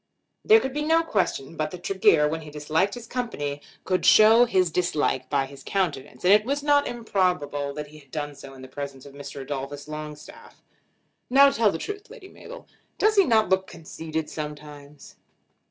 There could be no question but that Tregear, when he disliked his company, could show his dislike by his countenance; and it was not improbable that he had done so in the presence of Mr. Adolphus Longstaff. "Now tell the truth, Lady Mabel; does he not look conceited sometimes?"